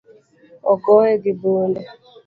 Ogoye gi bunde